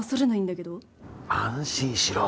安心しろ。